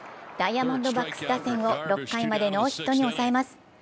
ダイヤモンドバックス打線を６回までノーヒットに抑えます。